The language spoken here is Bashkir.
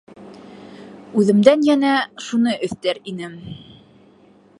Үҙемдән йәнә шуны өҫтәр инем: